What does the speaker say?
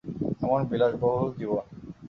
এমন বিলাস-বহুল জীবন!